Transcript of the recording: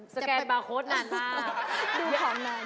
แกนบาร์โค้ดนานมากดูหอมนาน